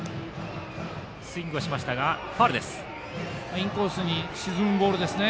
インコースに沈むボールですね。